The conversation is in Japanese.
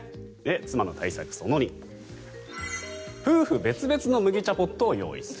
妻の対策、その２夫婦別々の麦茶ポットを用意する。